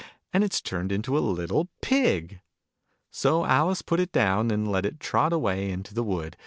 And it's turned into a little Pig ! So Alice put it down, and let it trot away into the wood.